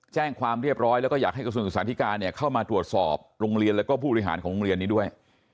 แจ้งความเรียบร้อยแล้วก็อยากให้กระทรวงศึกษาธิการเข้ามาตรวจสอบโรงเรียนแล้วก็ผู้บริหารของโรงเรียนนี้ด้วย